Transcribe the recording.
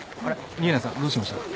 新名さんどうしました？